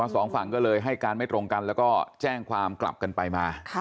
สองฝั่งก็เลยให้การไม่ตรงกันแล้วก็แจ้งความกลับกันไปมา